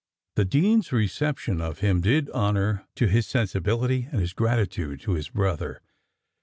The dean's reception of him did honour to his sensibility and his gratitude to his brother.